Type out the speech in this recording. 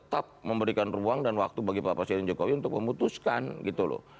tetap memberikan ruang dan waktu bagi pak presiden jokowi untuk memutuskan gitu loh